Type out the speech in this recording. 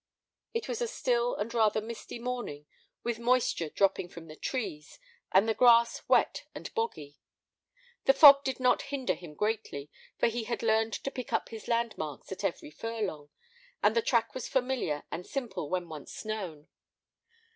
It was a still and rather misty morning with moisture dropping from the trees, and the grass wet and boggy. The fog did not hinder him greatly, for he had learned to pick up his landmarks at every furlong, and the track was familiar and simple when once known.